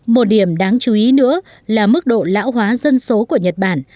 một điểm đáng chú ý nữa là mức độ lão hóa dân số của nhật bản